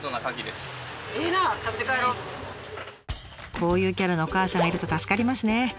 こういうキャラのおかあさんがいると助かりますね。